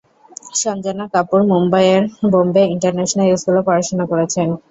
সঞ্জনা কাপুর মুম্বইয়ের বোম্বে ইন্টারন্যাশনাল স্কুলে পড়াশোনা করেছেন।